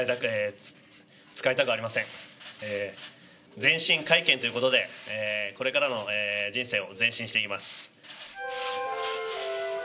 前進会見という事でこれからの人生を前進していきます。